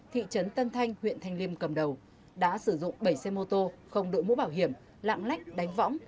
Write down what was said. thanh thanh huyện thanh liêm cầm đầu đã sử dụng bảy xe mô tô không đội mũ bảo hiểm lạng lách đánh võng